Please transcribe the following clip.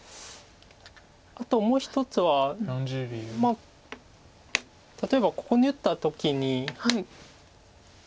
あともう１つは例えばここに打った時に。